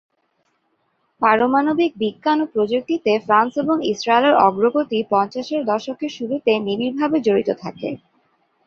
পারমাণবিক বিজ্ঞান ও প্রযুক্তিতে ফ্রান্স এবং ইসরায়েলের অগ্রগতি পঞ্চাশের দশকের শুরুতে নিবিড়ভাবে জড়িত থাকে।